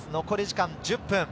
残り時間１０分。